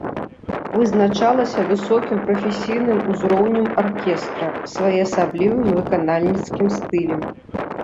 Вызначалася высокім прафесійным узроўнем аркестра, своеасаблівым выканальніцкім стылем.